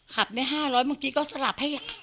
ขับได้๕๐๐เมื่อกี้ก็สลับให้